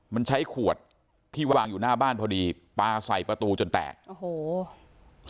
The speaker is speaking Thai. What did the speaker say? มันใช้ขวดที่วางอยู่หน้าบ้านพอดีปลาใส่ประตูจนแตกโอ้โห